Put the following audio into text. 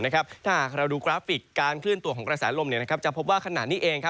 ถ้าหากเราดูกราฟิกการเคลื่อนตัวของกระแสลมจะพบว่าขณะนี้เอง